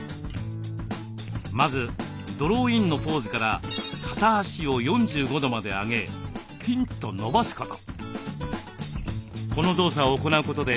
まずドローインのポーズから片足を４５度まで上げピンと伸ばすこと。